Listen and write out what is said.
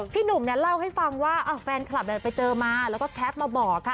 พี่หนุ่มเนี่ยเล่าให้ฟังว่าแฟนคลับไปเจอมาแล้วก็แคปมาบอกค่ะ